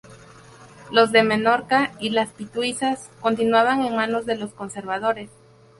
Los de Menorca y las Pitiusas continuaban en manos de los conservadores.